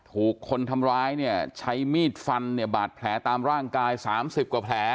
ถูกคนทำร้ายเนี่ยใช้มีดฟันเนี่ยบาดแผลตามร่างกาย๓๐กว่าแผล